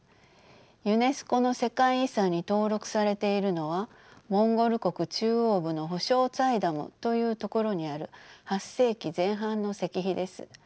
ユネスコの世界遺産に登録されているのはモンゴル国中央部のホショーツァイダムという所にある８世紀前半の石碑です。